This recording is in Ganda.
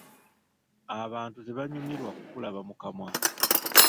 Abantu tebanyumirwa kukulaba mu kamwa.